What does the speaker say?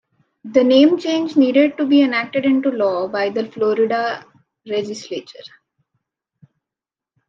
The name change needed to be enacted into law by the Florida Legislature.